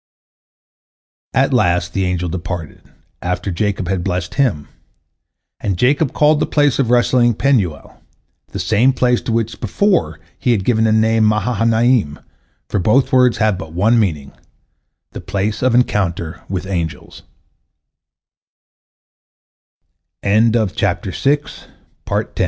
At last the angel departed, after Jacob had blessed him, and Jacob called the place of wrestling Penuel, the same place to which before he had given the name Mahanaim, for both words have but one meaning, the place of encounter with